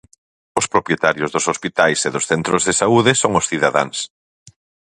Os propietarios dos hospitais e dos centros de saúde son os cidadáns.